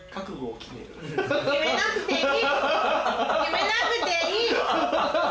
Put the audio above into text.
決めなくていい！